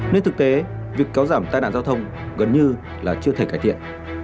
nên thực tế việc kéo giảm tai nạn giao thông gần như là chưa thể cải thiện